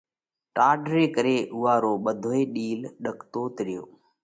ٽاڍ ري ڪري اُوئا رو ٻڌوئي ڏِيل ڏڪتوت ريو